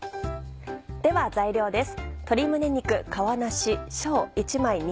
では材料です。